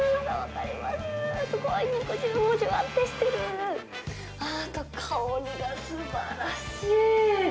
あー、香りがすばらしい。